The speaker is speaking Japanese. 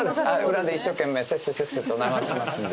裏で一生懸命せっせせっせと流しますんで。